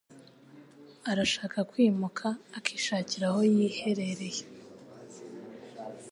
Arashaka kwimuka akishakira aho yiherereye.